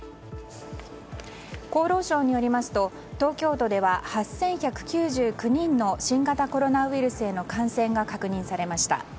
厚労省によりますと東京都では８１９９人の新型コロナウイルスへの感染が確認されました。